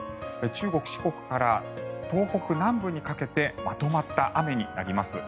中国・四国から東北南部にかけてまとまった雨になります。